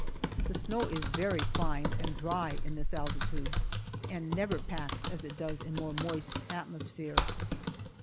The snow is very fine and dry in this altitude, and never packs as it does in a more moist atmosphere.